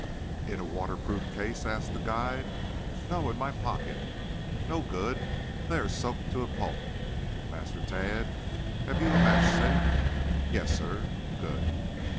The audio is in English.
"In a waterproof case?" asked the guide. "No, in my pocket." "No good! They are soaked to a pulp. Master Tad, have you a match safe?" "Yes, sir." "Good."